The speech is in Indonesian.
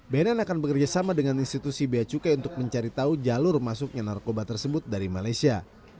bnn akan bekerjasama dengan institusi beacukai untuk mencari tahu jalur masuknya narkoba tersebut dari malaysia